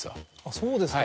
そうですか。